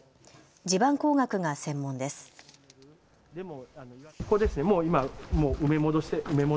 地盤工学が専門です。